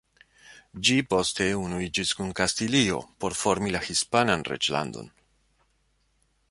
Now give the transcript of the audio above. Ĝi poste unuiĝis kun Kastilio por formi la hispanan reĝlandon.